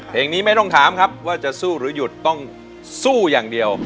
เพลงนี้ไม่ต้องถามครับว่าจะสู้หรือหยุดต้องสู้อย่างเดียว